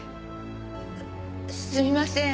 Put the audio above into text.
すみません。